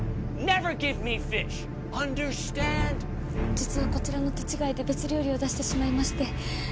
実はこちらの手違いで別料理を出してしまいまして。